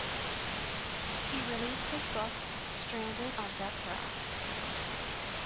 He released his book, Stranded on Death Row.